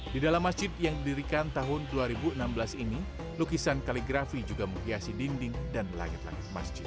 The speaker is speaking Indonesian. di dalam masjid yang didirikan tahun dua ribu enam belas ini lukisan kaligrafi juga menghiasi dinding dan langit langit masjid